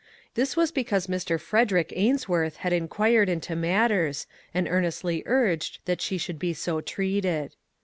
This was because Mr. Frederick Ainsworth had inquired into matters, and earn estly urged that she should be so treated.